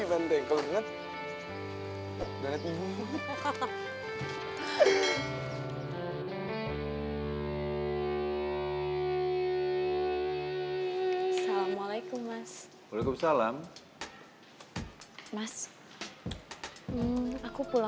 ini banteng kalo bener donut ini